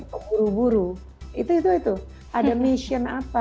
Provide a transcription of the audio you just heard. tolong stoik atrapsi askara